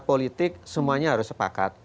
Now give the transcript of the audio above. politik semuanya harus sepakat